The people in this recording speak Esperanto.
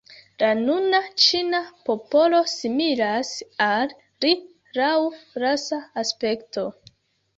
La nuna ĉina popolo similas al li laŭ rasa aspekto.